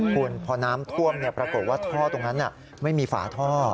คุณพอน้ำท่วมปรากฏว่าท่อตรงนั้นไม่มีฝาท่อ